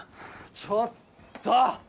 ちょっと！